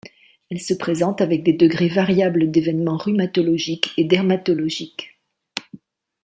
Elle se présente avec des degrés variables d'événements rhumatologiques et dermatologiques.